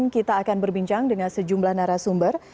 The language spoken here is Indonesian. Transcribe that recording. kita akan berbincang dengan sejumlah narasumber